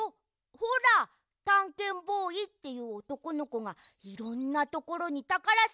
ほらたんけんボーイっていうおとこのこがいろんなところにたからさがしにいく。